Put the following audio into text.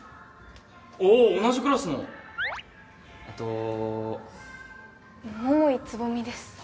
ああ同じクラスのえっと桃井蕾未です